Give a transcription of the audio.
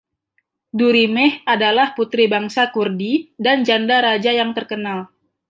Durimeh adalah putri bangsa Kurdi dan janda raja yang terkenal.